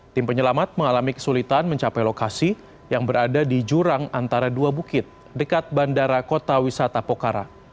tim penyelamat mengalami kesulitan mencapai lokasi yang berada di jurang antara dua bukit dekat bandara kota wisata pokhara